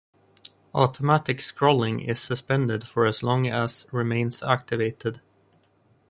Automatic scrolling is suspended for as long as remains activated.